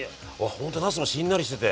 ほんとなすもしんなりしてて。